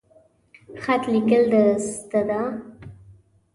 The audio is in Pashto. خط لیکل د زده ده؟